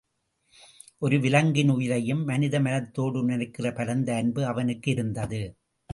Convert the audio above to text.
ஒரு விலங்கின் உயிரையும் மனித மனத்தோடு நினைக்கிற பரந்த அன்பு அவனுக்கு இருந்தது.